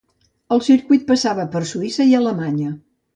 El circuit passava per Suïssa i Alemanya.